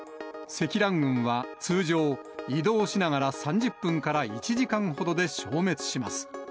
積乱雲は通常、移動しながら３０分から１時間ほどで消滅します。